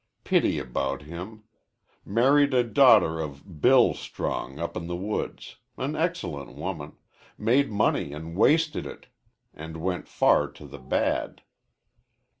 Pity about him! Married a daughter of "Bill" Strong up in the woods an excellent woman made money and wasted it and went far to the bad.